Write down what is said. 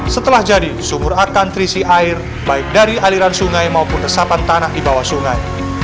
setelah jadi sumur akan terisi air baik dari aliran sungai maupun resapan tanah di bawah sungai